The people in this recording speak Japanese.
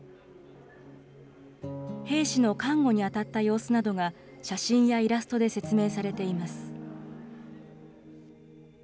兵士の看護に当たった様子などが写真やイラストで説明されています。